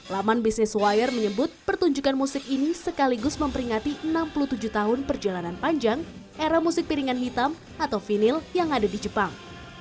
laman business wire menyebut pertunjukan musik ini sekaligus memperingati enam puluh tujuh tahun perjalanan panjang era musik piringan hitam atau vinil yang ada di jepang